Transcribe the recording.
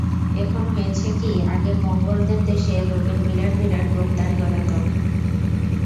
এখন হয়েছি কি, আগে মোঙ্গলদের দেশে লোকের বিরাট বিরাট গোঁফ-দাড়ি গজাত।